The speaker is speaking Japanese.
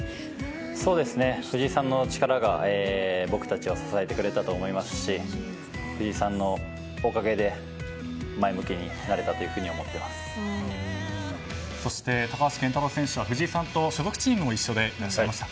藤井さんの力が僕たちを支えてくれたと思いますし藤井さんのおかげで前向きになれたというふうにそして、高橋健太郎選手は藤井さんと所属チームも一緒でいらっしゃいました。